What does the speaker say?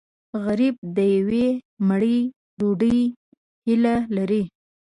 غریب د یوې مړۍ ډوډۍ هیله لري